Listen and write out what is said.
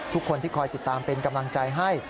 ทุกคนที่คอยติดตามเป็นกำลังใจให้